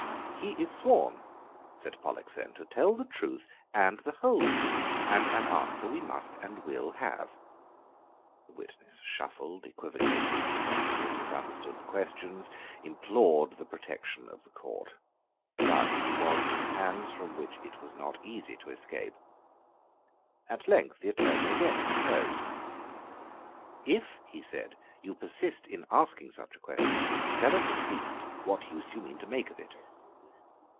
"He is sworn," said Pollexfen, "to tell the truth and the whole truth: and an answer we must and will have." The witness shuffled, equivocated, pretended to misunderstand the questions, implored the protection of the Court. But he was in hands from which it was not easy to escape. At length the Attorney again interposed. "If," he said, "you persist in asking such a question, tell us, at least, what use you mean to make of it."